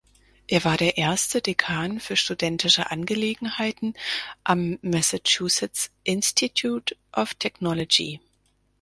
Er war der erste Dekan für studentische Angelegenheiten am Massachusetts Institute of Technology.